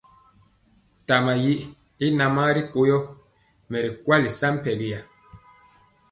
Tama yi i namaa ri ko yɔ, mɛ ri kwali sampɛriya.